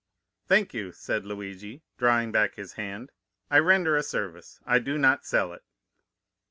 "'Thank you,' said Luigi, drawing back his hand; 'I render a service, I do not sell it.